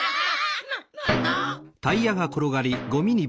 ななんだ？